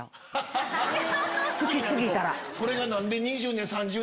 それが何で。